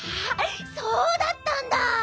そうだったんだ。